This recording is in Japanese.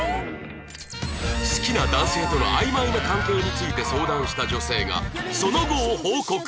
好きな男性との曖昧な関係について相談した女性がその後を報告